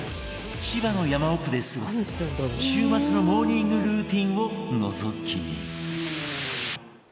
千葉の山奥で過ごす週末のモーニングルーティンをのぞき見。